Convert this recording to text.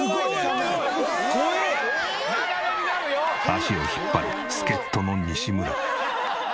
足を引っ張る助っ人の西村。